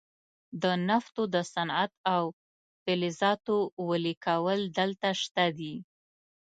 د نفتو د صنعت او فلزاتو ویلې کول دلته شته دي.